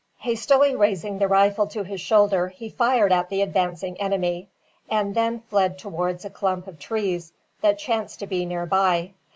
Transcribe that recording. Hastily raising the rifle to his shoulder he fired at the advancing enemy, and then fled towards a clump of trees that chanced to be near by.